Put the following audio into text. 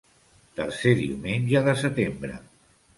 Tercer diumenge de setembre.